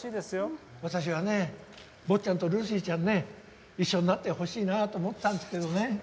私はね坊ちゃんとルーシーちゃんね一緒になってほしいなと思ったんだけどね。